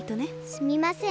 すみません。